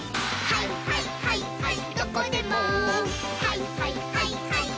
「はいはいはいはいマン」